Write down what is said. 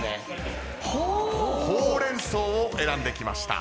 ほうれん草を選んできました。